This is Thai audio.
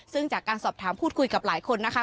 ซึ่งจากการสอบถามพูดคุยกับหลายคนนะคะ